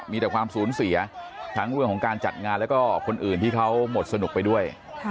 มีแต่ความสูญเสียทั้งเรื่องของการจัดงานแล้วก็คนอื่นที่เขาหมดสนุกไปด้วย